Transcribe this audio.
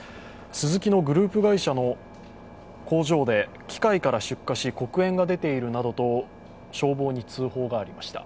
スズキのグループ会社の工場で機械から出火し、黒煙が出ているなどと消防に通報がありました。